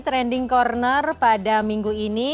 trending corner pada minggu ini